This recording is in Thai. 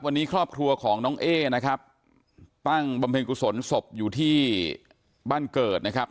วันนี้ครอบครัวของน้องเอนะครับตั้งบำเพ็ญกุศลศพอยู่ที่บ้านเกิดนะครับ